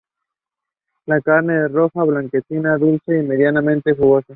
La carne es roja blanquecina, dulce y medianamente jugosa.